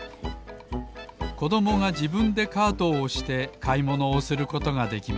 こどもがじぶんでカートをおしてかいものをすることができます